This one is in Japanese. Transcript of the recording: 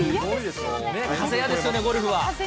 風があるんですよね、ゴルフは。